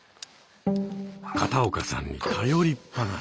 片岡さんに頼りっぱなし。